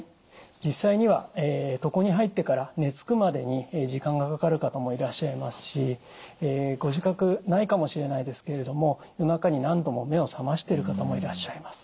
実際には床に入ってから寝つくまでに時間がかかる方もいらっしゃいますしご自覚ないかもしれないですけれども夜中に何度も目を覚ましている方もいらっしゃいます。